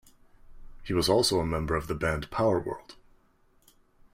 He was also a member of the band Powerworld.